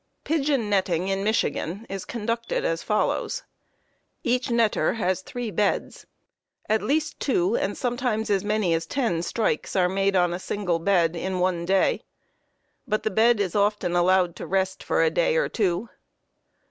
... Pigeon netting in Michigan is conducted as follows: Each netter has three beds; at least two, and sometimes as many as ten "strikes" are made on a single bed in one day, but the bed is often allowed to "rest" for a day or two.